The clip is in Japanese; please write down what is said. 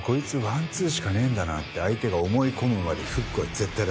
ワンツーしかねえんだなって相手が思い込むまでフックは絶対出すな。